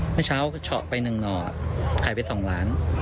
เมื่อเช้าโฉะไปนึงหน่ออังกฤษไปสองล้าน